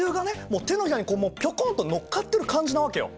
もう手のひらにピョコンと乗っかってる感じなわけよ。